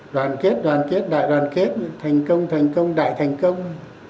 đoàn kết đoàn kết đại đoàn kết thành công thành công đại thành công